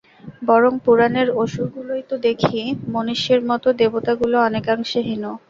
বরং পুরাণের অসুরগুলোই তো দেখি মনিষ্যির মত, দেবতাগুলো অনেকাংশে হীন।